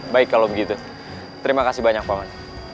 baik kalau begitu terima kasih banyak pak wan